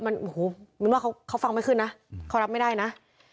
มันโอ้โหมินว่าเขาฟังไม่ขึ้นนะเขารับไม่ได้นะ